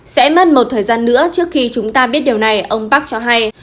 sẽ mất một thời gian nữa trước khi chúng ta biết điều này ông park cho hay